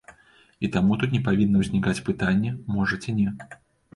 І таму тут не павінна ўзнікаць пытанне, можа ці не.